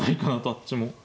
あっちも。